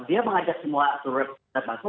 dia mengajak semua surat dan bahasa